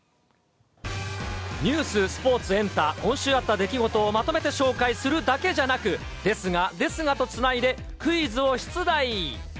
ニュース、スポーツ、エンタ、今週あった出来事をまとめて紹介するだけじゃなく、ですが、ですがとつないで、クイズを出題。